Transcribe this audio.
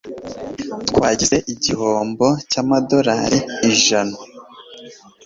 Twagize igihombo cyamadorari ijana,.